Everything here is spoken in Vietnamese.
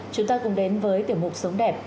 chúng ta cùng đến với tiểu mục sống đẹp